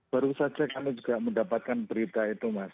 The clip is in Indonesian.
baru saja kami juga mendapatkan berita itu mas